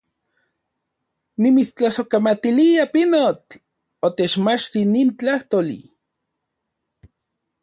¡Nimitstlasojkamatilia, pinotl, otechmachti nin tlajtoli!